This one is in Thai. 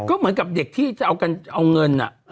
ก็เหมือนกับเด็กที่จะเอาเงิน